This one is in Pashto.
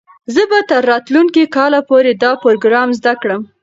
زه به تر راتلونکي کال پورې دا پروګرام زده کړم.